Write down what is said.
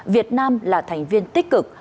việt nam là thành viên tích cực